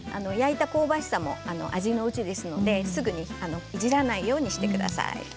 焼いた香ばしさも味のうちですのですぐにいじらないようにしてください。